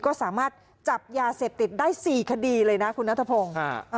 ก็สามารถจับยาเสพติดได้๔คดีเลยนะคุณนัทพงศ์